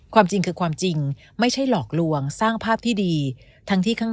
ความจริงคือความจริงไม่ใช่หลอกลวงสร้างภาพที่ดีทั้งที่ข้าง